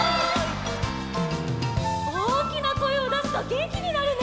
おおきなこえをだすとげんきになるね！